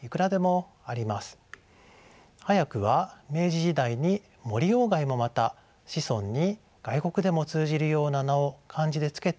早くは明治時代に森外もまた子孫に外国でも通じるような名を漢字で付けていました。